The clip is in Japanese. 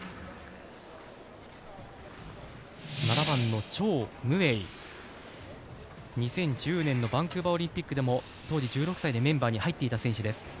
７番のチョウムエイ、２０１０年のバンクーバーオリンピックでもメンバーに入っていた選手です。